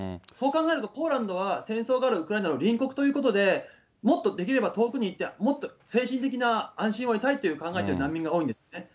そう考えると、ポーランドは、戦争があるウクライナの隣国ということで、もっとできれば遠くに行って、もっと精神的な安心を得たいと考えている難民が多いんですね。